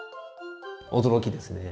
驚きですね。